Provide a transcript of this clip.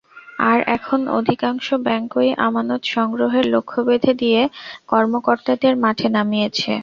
আর এখন অধিকাংশ ব্যাংকই আমানত সংগ্রহের লক্ষ্য বেঁধে দিয়ে কর্মকর্তাদের মাঠে নামিয়েছে।